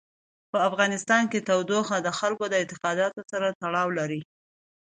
په افغانستان کې تودوخه د خلکو د اعتقاداتو سره تړاو لري.